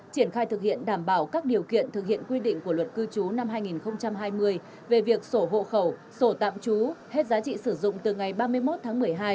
triển khai thực hiện đảm bảo các điều kiện thực hiện quy định của luật cư trú năm hai nghìn hai mươi về việc sổ hộ khẩu sổ tạm trú hết giá trị sử dụng từ ngày ba mươi một tháng một mươi hai